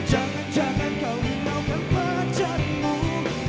jangan jangan kau hinaukan pacarmu